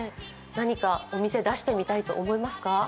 何かお店出してみたいと思いますか？